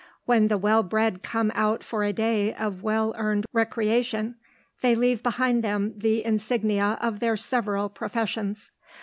When the well bred come out for a day of well earned recreation, they leave behind them the insignia of their several professions.